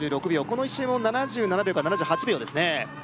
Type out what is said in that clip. この１周も７７秒から７８秒ですね